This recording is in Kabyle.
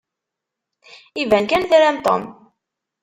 Iban kan tram Tom.